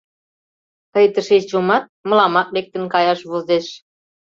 Тый тышеч йомат — мыламат лектын каяш возеш».